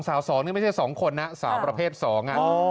สาวสองนี่ไม่ใช่สองคนนะสาวประเภทสอง